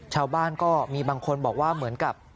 ชาวบ้านก็มีบางคนบอกว่าเหมือนกับ